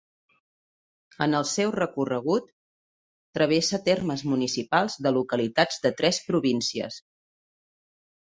En el seu recorregut, travessa termes municipals de localitats de tres províncies.